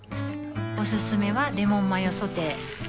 おすすめはレモンマヨソテー